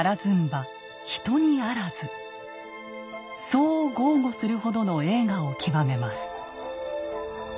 そう豪語するほどの栄華を極めます。